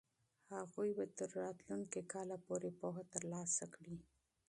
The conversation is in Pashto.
هغوی به تر راتلونکي کاله پورې پوهه ترلاسه کړي.